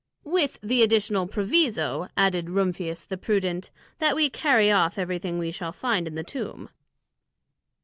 "With the additional proviso," added Rumphius the prudent, "that we carry off everything we shall find in the tomb."